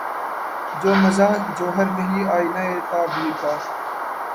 جو مزہ جوہر نہیں آئینۂ تعبیر کا